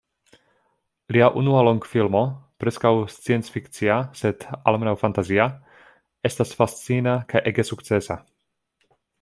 Lia unua longfilmo, preskaŭ scienc-fikcia sed almenaŭ fantazia, estas fascina kaj ege sukcesa.